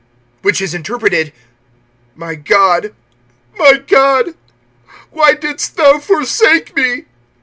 Which is interpreted: My God, my God, why didst thou forsake me?